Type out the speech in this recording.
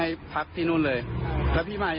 ไม่มีเลย